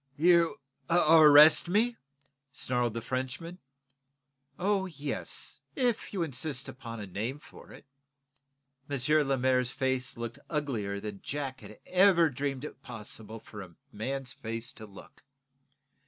"You ar r rest me?" snarled the Frenchman. "Oh, yes; if you insist upon a name for it." M. Lemaire's face looked uglier than Jack had ever dreamed it possible for a man's face to look.